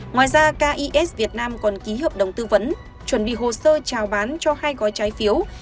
ngoài ra kes việt nam còn ký hợp đồng tư vấn chuẩn bị hồ sơ trào bán cho hai gói trái phiếu